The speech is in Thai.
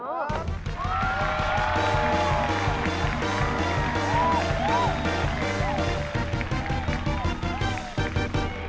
รูป